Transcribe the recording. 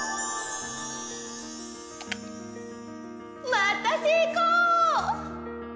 またせいこう！